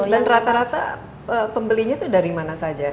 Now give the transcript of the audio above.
dan rata rata pembelinya itu dari mana